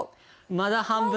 まだ半分？